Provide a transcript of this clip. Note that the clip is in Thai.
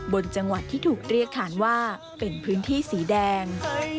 บนจังหวัดที่ถูกเรียกขานว่าเป็นพื้นที่สีแดง